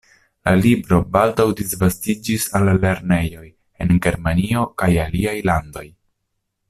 La libro baldaŭ disvastiĝis al lernejoj en Germanio kaj aliaj landoj.